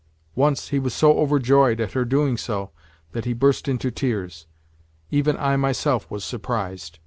Once, he was so overjoyed at her doing so that he burst into tears. Even I myself was surprised.